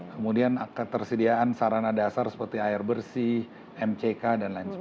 kemudian ketersediaan sarana dasar seperti air bersih mck dan lain sebagainya